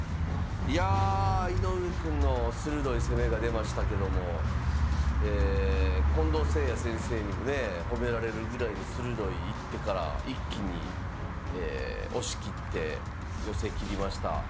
いや井上くんの鋭い攻めが出ましたけどもえ近藤誠也先生にもね褒められるぐらいの鋭い一手から一気に押し切って寄せきりました。